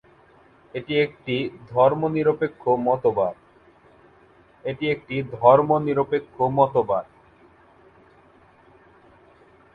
এটি একটি ধর্মনিরপেক্ষ মতবাদ।